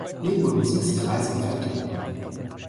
Leben und Musik sind Reise und Veränderung.